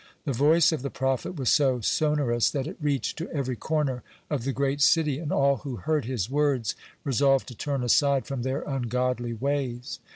The voice of the prophet was so sonorous that it reached to every corner of the great city, and all who heard his words resolved to turn aside from their ungodly ways.